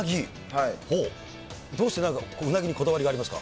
どうして、うなぎにこだわりがありますか。